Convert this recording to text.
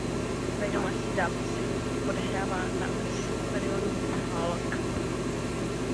Své domácí zápasy odehrává na stadionu Hluk.